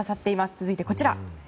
続いて、こちら。